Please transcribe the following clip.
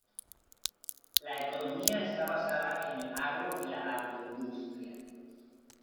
La economía está basada en el agro y la agroindustria.